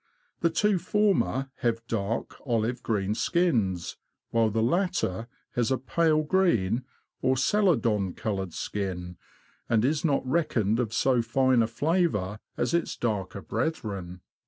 The two former have dark, olive green skins, while the latter has a pale green, or celadon coloured skin, and is not reckoned of so fine a flavour as its darker brethren.